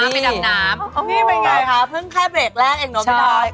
นี่เป็นอย่างไรคะเพิ่งแค่เบรกแล้วเองน้องพี่ด๊อบ